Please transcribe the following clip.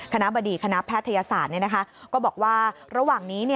บดีคณะแพทยศาสตร์ก็บอกว่าระหว่างนี้